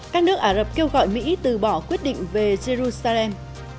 các nước ả rập kêu gọi mỹ từ bỏ quyết định về jerusalem